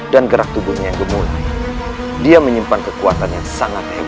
jangan berangkai menurutmumu datanya best gift cloud